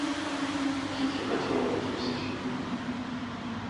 Кити хотела войти в соседнюю.